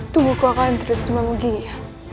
tubuhku akan terus memunggih